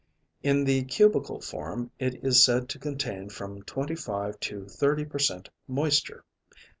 In the cubical form it is said to contain from twenty five to thirty per cent moisture.